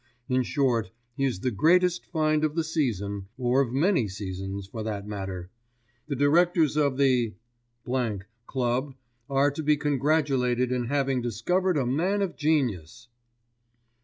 In short he is the greatest find of the season, or of many seasons for that matter. The directors of the —— Club are to be congratulated in having discovered a man of genius."